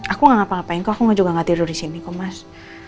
aku gak ngapa ngapain kok aku juga gak tidur di sini kok mas